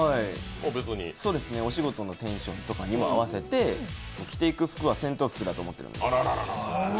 お仕事のテンションとかにも合わせて着ていく服は戦闘服だと思ってるんで。